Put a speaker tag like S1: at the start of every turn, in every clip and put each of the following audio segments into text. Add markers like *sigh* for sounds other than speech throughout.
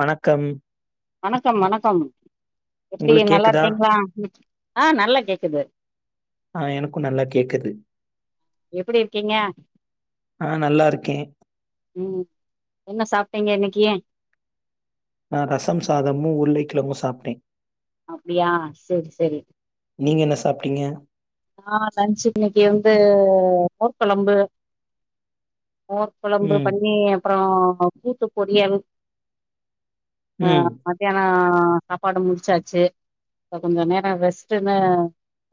S1: வணக்கம்
S2: வணக்கம் வணக்கம் எப்டி
S1: உங்களுக்கு
S2: நல்லா
S1: கேக்குதா?
S2: இருக்கீங்ளா ஆ நல்லா கேக்குது
S1: ஆ எனக்கு நல்லா கேக்குது
S2: எப்டி இருக்கீங்க
S1: ஆ நல்லா இருக்கேன்.
S2: ம் என்ன சாப் ட்டிங்க இன்னக்கி
S1: நா ரசம் சாதமு உருளைக்கிழங்கு சாப்டே
S2: அப்டியா சேரி சேரி
S1: நீங்க என்ன சாப்பிட்டீங்க?
S2: ஆ லஞ்ச்சு இன்னைக்கி வந்து மோர் கொழம்பு மோர் கொழம்பு
S1: ம்,
S2: பண்ணி அப்றோ கூட்டு பொறியல் ஆ
S1: ம்.
S2: மத்தியானா ஆ சாப்பாடு முடிச்சாச்சு இப்ப கொஞ்ச நேர ரெஸ்ட்டுனு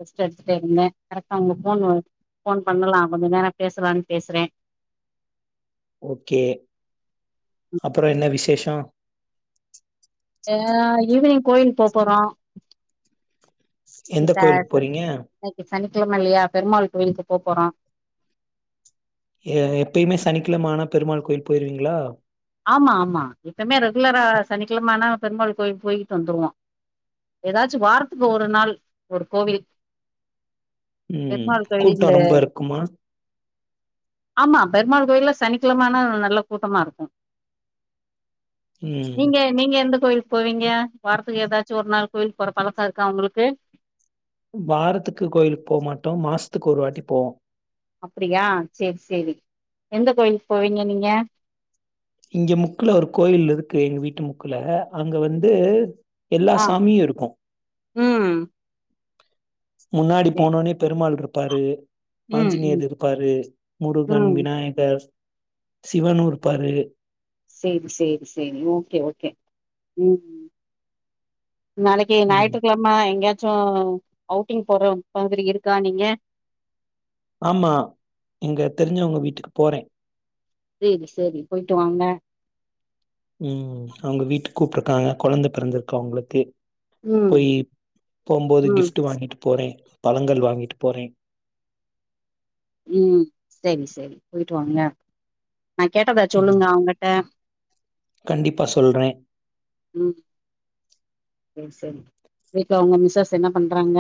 S2: ரெஸ்ட் இருந்தே கரெக்டா உங்க போன் வ போன் பண்ணலா கொஞ்ச நேரோ பேசலானு பேசுறே
S1: ஓகே அப்பொற என்ன விசேஷ தா
S2: ஆ ஈவினிங் கோயில் போப்போறோ
S1: எந்த கோயில்க்கு போறீங்க
S2: சனிக்கிழமல்லியா பெருமாள் கோயிலுக்கு போ போறோ
S1: எ எப்பயுமே சனிக்கிழம ஆனா பெருமாள் கோயில் போயிருவீங்களா
S2: ஆமா ஆமா எப்பமே ரெகுலரா சனிக்கிழம ஆனா பெருமாள் கோவில் போயிட்டு வந்துருவோ ஏதாச்சு வாரத்துக்கு ஒரு நாள் ஒரு கோவில்
S1: ம்.
S2: பெருமாள் கோயில்ந்த
S1: கூட்டம் ரொம்ப இருக்குமா?
S2: ஆமா பெருமாள் கோயில்ல சனிக்கிழம ஆனா நல்ல கூட்டமாருக்கு
S1: ம்.
S2: நீங்க நீங்க எந்த கோயில் போவீங்க வாரத்துக்கு ஏதாச்சு ஒரு நாள் கோயிலுக் போற பழக்கோ இருக்கா உங்களுக்கு
S1: வாரத்துக்கு கோயிலுக்கு போ மாட்டோ மாசத்துக்கு ஒரு வாட்டி போவோ
S2: அப்டியா செர் செரி எந்த கோயிலுக்கு போவீங்க நீங்க
S1: இங்க முக்குல ஒரு கோயில் இருக்கு எங்க வீட்டு முக்குல அங்க வந்து எல்லா
S2: ஆ
S1: சாமியு இருக்கூ
S2: ம்
S1: முன்னாடி
S2: சேரி
S1: போனோனே பெருமாள் இருப் பாரு
S2: ம்
S1: ஆஞ்சநேயர்
S2: ம்
S1: இருப்பாரு முருகன்
S2: ம்
S1: விநாயகர் சிவனூ இருப்பாரு
S2: செரி செரி செரி ஓகே ஓகே ம் நாளைக்கு
S1: ம்
S2: ஞாயிற்றுக்கிழம எங்கயாச் சூ அவுட்டிங் போற மாதிரி இருக்கா நீங்க
S1: ஆமா எங்க தெரிஞ்சவுங்க வீட்டுக்கு போறே
S2: செரி செரி போயிட்டு வாங்க
S1: ம் அவங்க வீட்டுக்கு கூப்டுருக்காங்க கொழந்த பெறந்திருக்கு அவங்களுக்கு
S2: ம்
S1: போய் போம்போது
S2: ம்
S1: கிஃப்ட் வாங்கிட்டு போறே பழங்கள் வாங்கிட்டு போறே
S2: ம் செரி செரி போயிட்டு வாங்க நா கேட்டதா
S1: ம்
S2: சொல்லுங்க அவுங்கட்ட
S1: கண்டிப்பா சொல்றே
S2: ம் ம் சரி வீட்ல உங்க மிஸ்ஸஸ் என்ன பண்றாங்க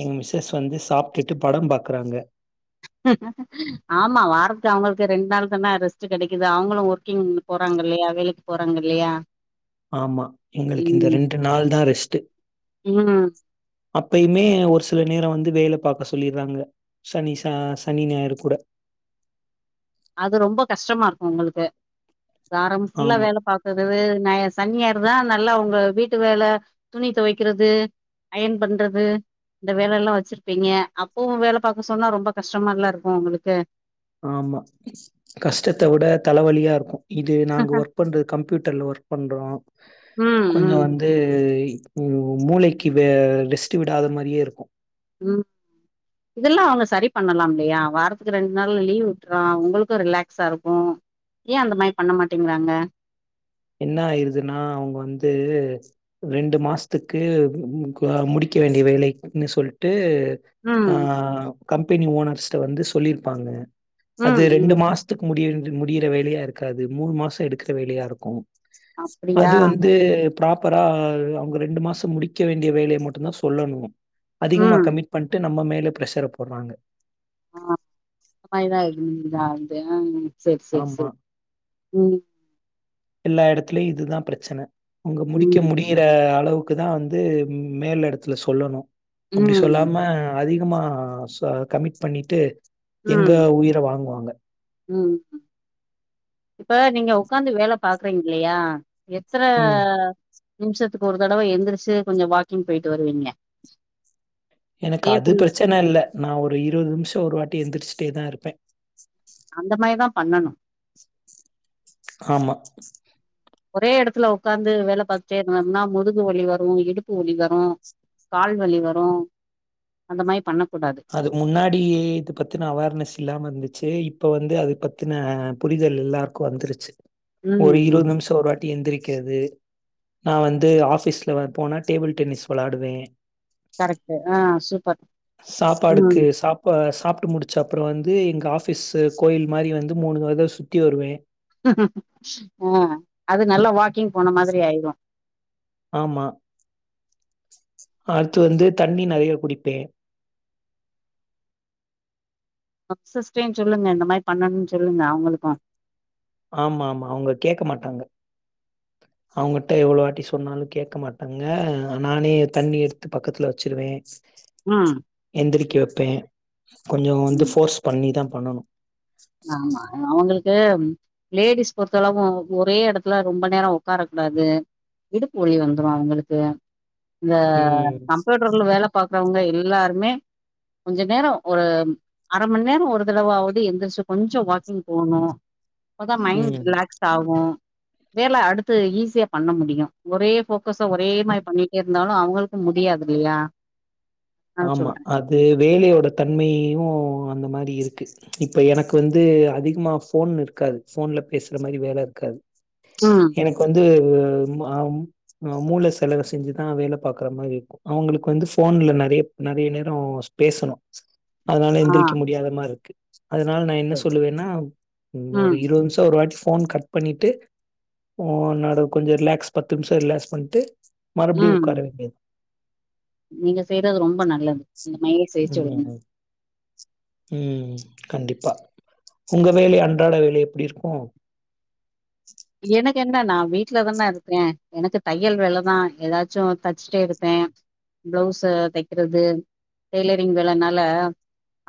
S1: எங் மிஸ்சஸ் வந்து சாப்டுட்டு படம் பாக்குறாங்க
S2: ஆமா வாரத்து அவங்களுக்கு ரெண்ட் நாள் தான ரெஸ்ட் கெடைக்குது அவங்களூ ஒர்க்கிங் போறாங்கல்லையா வேலைக்கு போறாங்கல்லையா
S1: ஆமா எங்களுக்கு இந்த ரெண்டு நாள் தா ரெஸ்ட்டு
S2: ம்
S1: அப்பயுமே ஒரு சில நேரோ வந்து வேலை பாக்க சொல்லிறாங்க சனி சா சனி ஞாயிறு கூட
S2: அது ரொம்ப கஷ்டமா இருக்கு உங்களுக்கு வாரம் ஃபுல்லா
S1: ஆமா
S2: வேலை பாக்குறது வே ஞா சனி ஞாயிறு வா நல்லா உங்க வீட்டு வேலை துணி துவைக்கிறது அயன் பண்றது இந்த வேலைல்லா வச்சிருப்பீங்க அப்பவூ வேல பாக்க சொன்னா ரொம்ப கஷ்டமால்ல இருக்கூ உங்களுக்கு
S1: ஆமா கஷ்டத்த விட தலவலியா இருக்கு இது நாங்க ஒர்க் பண்றது கம்ப்யூட்டர்ல ஒர்க் பண்றோ
S2: ம்
S1: கொஞ்சோ
S2: ம்
S1: வந்து உம் மூளைக்கு வே ரெஸ்ட்டு விடாத மாரியே இருக்கு
S2: ம் இதல்லா அவ்ங்க சரி பண்ணலாம்ல்லையா வாரத்துக்கு ரெண்ட் நாள்ல லீவு விட்றோ உங்களுக்கு ரிலாக்ஸா இருக்கு ஏ அந்த மாரி பண்ண மாட்டேங்கிறாங்க
S1: என்ன ஆயிருதுனா அவ்ங்க வந்து ரெண்டு மாஸ்த்துக்கு ம் ம் க முடிக்க வேண்டிய வேலை அப்டினு சொல்ட்டு டு
S2: ம்
S1: ஆஹ் கம்பெனி ஓனர்ஸ் த்த வந்து சொல்லிருப்பாங்க அது
S2: ம்
S1: ரெண்டு
S2: ம்
S1: மாஸ்த்துக்கு முடியிறது முடியிற வேலையா ருக்காது மூணு மாச இருக்குற வேலையா இருக்கு
S2: அப்டியா
S1: அது வந்து ப்ராப்பரா அவ்ங்க ரெண்டு மாச முடிக்க வேண்டிய வேலைய மட்டுந்தா சொல்லணு அதிகமா
S2: ம்
S1: கமிட் பண்ட்டு நம்ம மேல் ல ப்ரெஷர போட்றாங்க
S2: ஆஹ் *unintelligible* சேர் சேர்
S1: ஆமா.
S2: சேர் உம்
S1: எல்லா எடத்லயு இதுதா பிரச்சன உங்க முடிக்க
S2: ம்
S1: முடியுற அளவு க்கு தா வந்து மேல் எடத்துல சொல்லணு அப்டி
S2: ம்
S1: சொல்லாம அதி கமா சொ கமிட் பண்ணிட்டு எங்க
S2: ம்
S1: உயிர வாங்குவாங்க
S2: ம் இப்ப நீங்க ஒக்காந்து வேல பாக்றீங் இல்லயா எத்ர
S1: ம்.
S2: நிம்ஷத்துக்கு ஒரு தடவ எந்துருச்சு கொஞ்ச வாக்கிங் போயிட்டு வருவீங்க
S1: எனக்கு
S2: டே
S1: அது
S2: ஃபுல்
S1: பிரச்சன இல்ல நா ஒரு இருவது நிம்ஷ ஒரு வாட்டி எந்துர்ச் டே தா இருப்பே
S2: அந்த மாரிதா பண்ணனு
S1: ஆமா
S2: ஒக்காந்து வேல பாத்துட்டே இருந்தம்னா முதுகு வலி வரு இடுப்பு வலி வரு கால் வலி வரு அந்த மாரி பண்ணக்
S1: அது முன்னாடிேயே இத பத்தின அவேர்னஸ் இல்லாம இருந்துச்சு இப் இப்ப வந்து அது பத்தின புரிதல் எல்லாருக்கு வந்துருச்சு ஒரு
S2: ம்
S1: இருவது நிம்ஷ ஒரு வாட் டி எந்திரிக்கிறது நா வந்து ஆஃபிஸ்ல போனா டேபிள் டென்னிஸ் வெளாடுவே
S2: கரெக்ட்டு ஆ சூப்பர் ம்
S1: சாப்பாடுக்கு சாப்பா அ சாப்ட்டு முடிச்ச அப்ற வந்து எங்க ஆஃபிஸ்சு கோயில் மாரி வந்து மூணு பாத சுத்தி வருவே
S2: ஆ அது நல்ல வாக் கிங் போன மாதிரி ஆயிரு
S1: ஆமா அடுத்து வந்து தண்ணி நெறைய குடிப்பே
S2: *unintelligible* சொல்லுங்க இந்த மார் பண்ணணுனு சொல்லுங்க அவங்களுக்கு
S1: ஆமா ஆமா அவுங்க கேக்க மாட்டாங்க அவுங்கட்ட எவ்ளோ வாட்டி சொன்னாலு கேக்க மாட்டாங்க நானே தண்ணி எடுத்து பக்கத்துல வச்சிருவே ச்ச்
S2: ம்
S1: எந்திரிக்க வெப்பே கொஞ்சொ வந்து
S2: ம்
S1: ஃபோர்ஸ் பண்ணி தா பண்ணணு
S2: ஆமா அவுங்களுக் க்கு லேடீஸ் பொறுத்தளவு ஒரே எடத்ல ரொம்ப நேரோ உட்காரக் கூடாது இடுப்பு ஒலி வந்துரு அவுங்களுக்கு அ இந்த
S1: ம்
S2: கம்ப்யூட்டர்ல வேல பாக் க்ரவுங்க எல்லாருமே கொஞ்ச நேரோ ஒரு அரமண்நேரோ ஒரு தடவாவது எந்துர்ச்சு கொஞ்சொ வாக்கிங் போணு அப்பதா மைண்
S1: ம்
S2: ரிலாக்ஸ்டாகு வேல அடுத்து ஈஸியா பண்ண முடியு ஒரே போ கோஸொ ஒரே மாரி பண்ணீட்டே இருந்தாலு அவுங்கள்க்கு முடியாதில்லியா
S1: ஆமா அது வேலலயோட தன்மையயு அந்த மாரி இருக்கு இப்ப எனக் வந்து அதிகமா ஃபோன் இருக்காது ஃபோன்ல பேசற மாரி வேல இருக்காது
S2: ம்
S1: எனக்கு வந்து உ மு ஆ ம் அ மூள செலவு செஞ்சுதா வேல பாக்கற மாரி இருக்கு அவுங்களுக்கு வந்து ஃபோன்ல நெறைய நெறைய நேரோ ஸ் பேசணு அதுனால
S2: ஆ
S1: எந்திரிக்க முடியாத மாருக்கு அதுனால நா என்ன
S2: சரி
S1: சொல்லுவேன்னா ஒரு
S2: ம்
S1: இருவத் நிம்ஷோ ஒரு வாட் போன் கட் பண்ணீட்டு ஓ *unintelligible* கொஞ்சொ ரிலாக்ஸ் பத்து நிம்ஷோ ரிலாக்ஸ் பண்ட்டு மறுப்டியு
S2: ம்
S1: உக்கார வேண்டித்
S2: நீங்க செய்றது ரொம் ம்ப நல்லது இந்த மைய *unintelligible*
S1: ம் ம் கண்டிப்பா உங்க வேலை அன்றாட வேலை எப்டி இருக்கு
S2: எனக்கென்ன நா வீட்லதான இருக்றே எனக்கு தையல் வேல தா எதாச்சு தச்ட்டே இருப்பே பிளவுஸு தெக்கிறது டெய்லரிங் வேலனால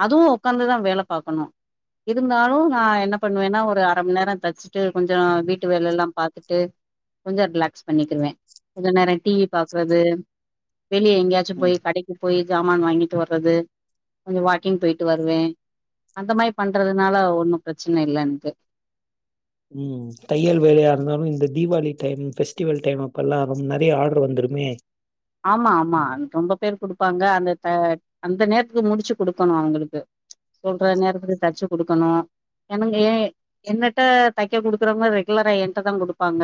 S2: அதுவு உக்காந்துதா வேல பாக்கணு இருந்தாலு நா என்ன பண்வேன்னா ஒரு அர மண் நேரோ தச்ட்டு கொஞ்சொ வீட் ட்டு வேலெல்லா பாத்துட்டு கொஞ்சொ ரிலாக்ஸ் பண்ணக்கிருவே கொஞ்ச நேரோ டிவி பாக்றது வெளிய எங்கியாச்சு
S1: ம்
S2: போய் கடைக்கு போய் ஜாமான் வாங்கீட்டு வர்றது கொஞ்சொ வாக்கிங் போய்ட்டு வருவே அந்த மாரி பண்றதுனால ஒன்னு ப்ரெச்சன இல்ல எனக்கு
S1: ம் தையல் வேலையா இருந்தாலு இந்த தீவாளி டைம் ஃபெஸ்டிவல் டைம் அப்பல்லா முன்னாடியே ஆடர் வந்துருமே
S2: ஆம்மா ஆம்மா ரொம்ப பேர் குடுப்பாங்க அந்த த அந்த நேரத்து முடிச்சு குடுக்கணு அவுங்களுக்கு சொல்ற நேரத்துக்கு தச்சு குடுக்கணு எனங் ஏ என்னட்ட தக்க குடுக்கறவுங்க ரெகுலரா என்ட்ட தா குடுப்பாங்க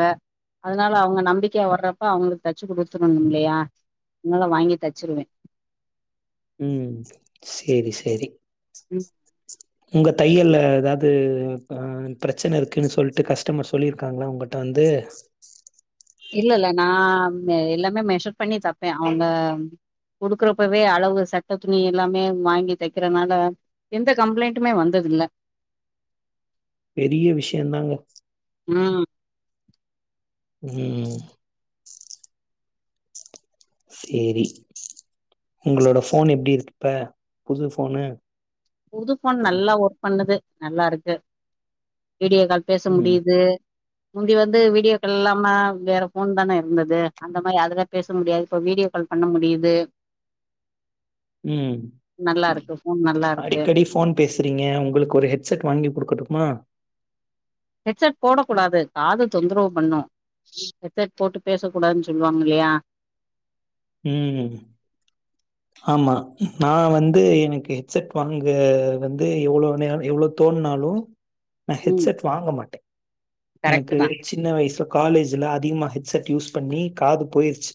S2: அதுனால அவுங்க நம்பிக்யா வர்றப்ப அவுங்களுக் தச்சு குடுத்துணுமில்லயா உன்னலா வாங்கி தச்சிருவேன்
S1: உம் சேரி சேரி
S2: ம்
S1: உங்க தையல்ல ஏதாவது அ பிரச்சனை இருக்குன்னு சொல்லிட்டு கஸ்டமர் சொல்ருக்காங்களா உங்கட்ட வந்து
S2: இல்ல இல்ல நான் எல்லாமே மெஷர் பண்ணி தப்பேன் அவுங்க குடுக்குறப்பவே அளவு சட்ட துணி எல்லாமே வாங்கி தைக்கறதுனால எந்த கம்ப்ளைண்டட்டுமே வந்ததில்ல
S1: பெரிய விஷயம்தாங்க
S2: ம்
S1: உம் சேரி உங்களோட போன் எப்டி இருக்கு இப்ப புது போனு
S2: புதுப்போன் நல்லா ஒர்க் பண்ணுது நல்லாருக்கு வீடியோக்கால் பேச
S1: ம்
S2: முடியுது முந்தி வந்து வீடியோ கால் இல்லாம வேற போன் தானே இருந்தது அந்த மாரி அதுதான் பேச முடியாது இப்ப வீடியோ கால் பண்ண முடியுது
S1: ம்
S2: நல்லா இருக்கு போன் நல்லா இருக்கு
S1: அடிக்கடி ஃபோன் பேசுறீங்க உங்களுக்கு ஒரு ஹெட்செட் வாங்கி குடுக்கட்டுமா
S2: ஹெட்செட் போடக் கூடாது காது தொந்தரவு பண்ணும் ஹெட்செட் போட்டு பேச கூடாதுனு சொல்லுவாங்க இல்லையா
S1: உம் ஆமா நான் வந்து எனக்கு ஹெட்செட் வாங்க வந்து எவ்ளோ நேர எவ்ளோ தோண்னாலும் நான்
S2: ம்
S1: ஹெட்சட் வாங்க மாட்டேன்
S2: கரெக்ட்
S1: எனக்கு
S2: தா
S1: சின்ன வயசுல காலேஜ் ல அதிகமா ஹெட்செட் யூஸ் பண்ணி காது போய்ருச்சு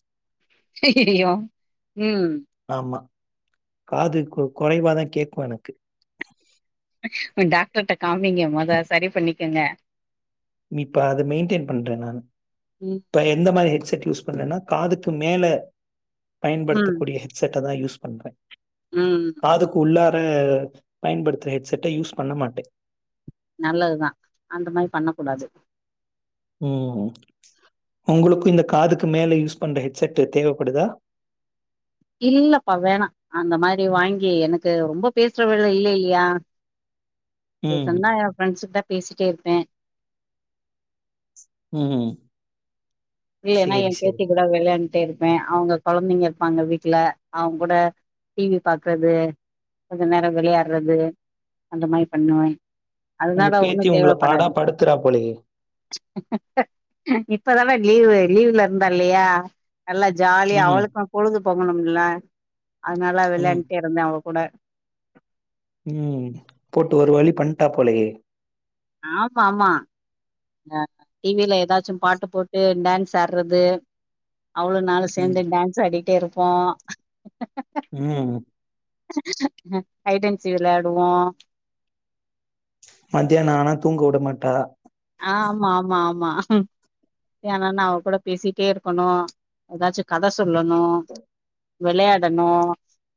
S2: உம்
S1: ஆமா. காது குறைவாதான் கேக்கும் எனக்கு
S2: டாக்டர்கிட்ட காமிங்க மொத சரி பண்ணிக்கங்க
S1: இப்ப அது மெயின்டெய்ன் பண்றேன் நானு
S2: ம்
S1: இப்ப எந்த மாரி ஹெட்செட் யூஸ் பண்றேன்னா காதுக்கு மேல
S2: ம்
S1: பயன்படுத்தக்கூடிய ஹெட்செட்ட தான் யூஸ் பண்றே
S2: ம்
S1: காதுக்கு உள்ள ள பயன்படுத்துற ஹெட்செட்ட யூஸ் பண்ண மாட்டேன்
S2: நல்லதுதான் அந்த மாரி பண்ண கூடாது
S1: உம் உங்களுக்கும் இந்த காதுக்கு மேல யூஸ் பண்ற ஹெட்செட்டு தேவப்படுதா
S2: இல்லப்பா வேணாம் அந்த மாரி வாங்கி எனக்கு ரொம்ப பேசுற வேல இல்ல இல்லையா
S1: ம்.
S2: பேசனுன்னா என் ஃப்ரண்ட்ஸ்ட பேசிட்டே இருப்பேன்
S1: உம்
S2: இல்லேனா என் பேத்தி கூட விளையான் டே இருப்பேன் அவுங்க கொழந்தைங்க இருப்பாங்க வீட்ல் அவுங்க கூட டி வி பாக்கறது கொஞ்ச நேரம் விளையாட்றது அந்த மாரி பண்ணுவேன்
S1: உங்க
S2: அதனால
S1: பேத்தி
S2: ஒண்ணும்
S1: உங்கள பாடா
S2: தேவைப்படாது
S1: படுத்துறா போலயே!
S2: இப்பதான லீவு லீவுல இருந்த இல்லையா எல்லா ஜாலிய
S1: ம்.
S2: அவளுக்குனு பொழுது போகணும்ல அதனால
S1: ம்.
S2: விளையாண்டே இருந்த அவ கூட
S1: உம் போட்டு ஒரு வழி பண்ட்டா போலியே
S2: ஆமா ஆமா அ டிவில எதாச்சு பாட்டு போட்டு டான்ஸ் ஆடுறது அவலும் நானும்
S1: ம்.
S2: சேந்து டான்ஸ் ஆடி ட்டே இருப்போம்
S1: ம்.
S2: அ ஐடன்சி விளாடுவோம்
S1: மத்தியானம் ஆனா தூங்க விட மாட்டா
S2: ஆமா ஆமா ஆமா ஏனன்னா அவ கூட பேசிட்டே இருக்கணும், ஏதாச்சு கத சொல்லணும், விளயாடணும்,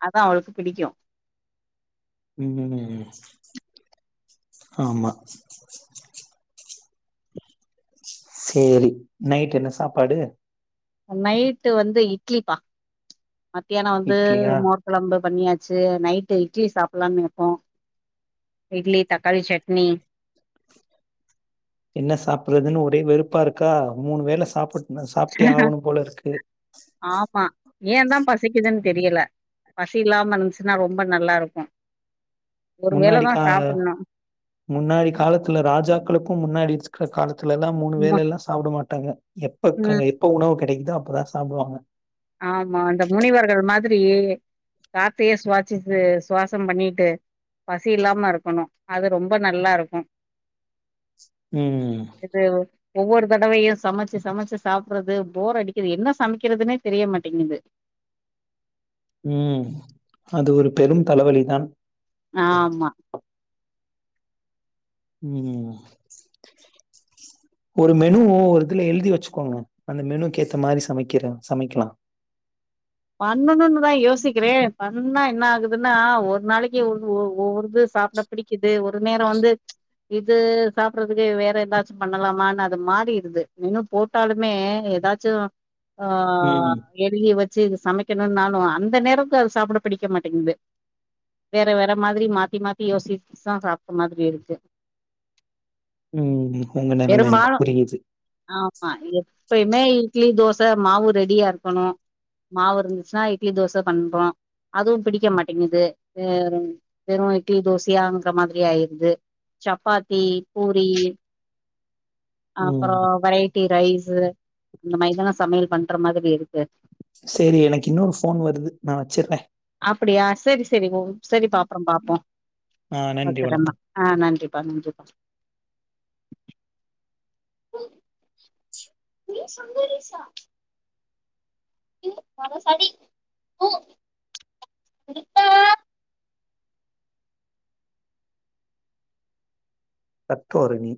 S2: அதா அவளுக்கு பிடிக்கும்
S1: ம் ஆமா சேரி, நைட் என்ன சாப்பாடு
S2: நைட்டு வந்து இட்லிப்பா மத்தியானம் வந்து
S1: இட்லியா
S2: மோர்குழம்பு பண்ணியாச்சு நைட்டு இட்லி சாப்லான்ருக்கோ, இட்லி தக்காளி சட்னி
S1: என்ன சாப்றதுன்னு ஒரே வெறுப்பா இருக்கா, மூணு வேள சாப்டு நா சாப்ட்டே ஆகணு போல இருக்கு
S2: ஏன்தா பசிக்குதுன் தெரியல, பசி இல்லாம இருந்துச்சுன்னா ரொம்ப நல்லா இருக்கும்
S1: முன்னாடி கா முன்னாடி காலத்துல ராஜாக்களுக்கு முன்னாடி கா லத்துலலாம் மூணு
S2: ம்
S1: வேலலாம் சாப்ட மாட்டாங்க. எப்ப கிட
S2: ம்
S1: எப்ப உணவு கிடைக் குதோ அப்போதா சாப்டுவாங்க
S2: ஆமா அந்த முனிவர்கள் மா திரி காத்தியே சுவாசிச் சுவாசம் பண்ணிட்டு பசி இல்லாம இருக்கணு அது ரொம்ப நல்லா இருக்கு
S1: ம்
S2: இது ஒவ்வொரு தடவையும் சமச்சு சமச்சு சாப்றது போர் அடிக்கிது என்ன சமக்கிறதுனே தெரிய மாட்டிங்குது
S1: ம் அது ஒரு பெரும் தலைவலிதான்
S2: ஆமா
S1: ம் ஒரு மெனு ஒரு இதுல எழுதி வச்சுக்கோங்க அந்த மெனுக்கேத்த மாரி சமைக்கிற சமைக்கலா
S2: பண்ணனுன்தா யோசிக்கிற பண்ணா என்ன ஆகுதுன்னா ஒரு நாளைக்கு ஒ ஒவ்வொருது சாப்ட பிடிக்குது ஒரு நேர வந்து இது சாப்றதுக்கு வேற எதாச்சு பண்ணலாமான்னு அது மாறிரிது மெனு போட்டாலுமே ஏதாச்சு ஆ
S1: ம்
S2: எழுதி வ சு சமைக்கணுனாலும் அந்த நேரத்து அது சாபட பிடிக்க மாட்டிங்குது, வேற வேற மாதிரி மாத்தி மாத்தி யோசிச்தா சாப்ட மாதிரி இருக்கு
S1: ம் உங்க நெலம எனக்கு
S2: பெரும்பாலு
S1: புரியுது
S2: ப்பயுமே இட்லி தோசை மாவு ரெடியா இருக்கணு மாவு இருந்துச்சுன்னா இட்லி தோசை பண்றோ அதுவும் பிடிக்க மாட்டேங்குது ஆ வெறும் இட்லி தோசையாங்கிற மாதிரி ஆயிருது சப்பாத்தி பூரி
S1: ம்
S2: அப்புறம் வரை ட்டி ரைஸ்ஸு அந்த மைதெல்லாம் சமையல் பண்ற மாதிரி இருக்கு
S1: சேரி எனக்கு இன்னொரு போன் வருது நா வச்சிர்றேன்
S2: அப்படியா சரி சரி ஓ சரி பாப்பறம் பாப்போம்
S1: ஆ நன்றி
S2: ஒக்கறம்மா
S1: வணக்கம்
S2: ஆ நன்றிப்பா நன்றிப்பா ரி சங்கரிசா *unintelligible* சரி *unintelligible*
S1: கத்தோற நீ